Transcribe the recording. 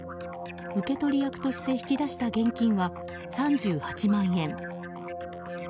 受け取り役として引き出した現金は３８万円。